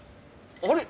あれ？